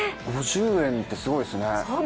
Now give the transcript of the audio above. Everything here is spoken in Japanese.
５０円ってすごいですね。